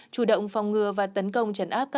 chủ động phong ngừa và tấn công chấn áp các loại công an